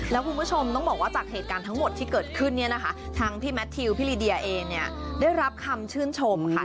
และผู้ผู้ชมต้องบอกว่าจากเหตุการณ์ทั้งประเภทที่เกิดขึ้นนี่นะคะทั้งพี่แมทธิวด์พี่ลิเดียเองได้รับคำชื่นชมค่ะ